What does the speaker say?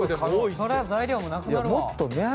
そりゃ材料もなくなるわ。